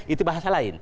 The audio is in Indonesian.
itu bahasa lain